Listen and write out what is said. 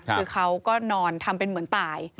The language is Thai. คือเขาก็นอนทำเป็นเหมือนตาย